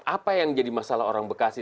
apa yang jadi masalah orang bekasi